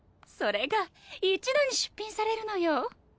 それが一度に出品されるのよ。